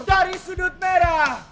dari sudut merah